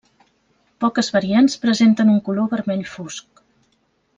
Poques variants presenten un color vermell fosc.